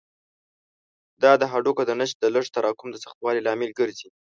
دا د هډوکو د نسج د لږ تراکم او سختوالي لامل ګرځي.